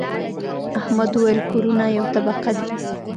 احمد وويل: کورونه یوه طبقه دي.